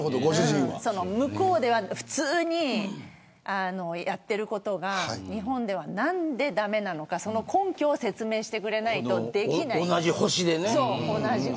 向こうでは普通にやっていることが日本では何で駄目なのか根拠を説明してくれないとできないと。